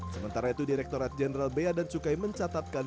sementara itu direkturat jenderal beadan cukai mencatatkan